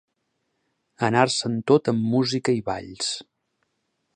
Anar-se'n tot amb música i balls.